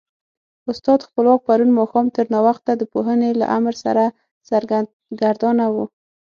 استاد خپلواک پرون ماښام تر ناوخته د پوهنې له امر سره سرګردانه و.